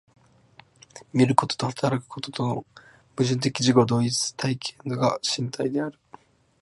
見ることと働くこととの矛盾的自己同一的体系が身体である。